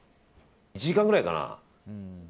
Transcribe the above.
１時間くらいかな。